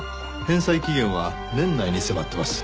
返済期限は年内に迫ってます。